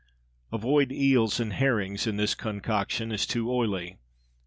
Avoid eels and herrings in this concoction as too oily.